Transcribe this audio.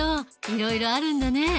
いろいろあるんだね。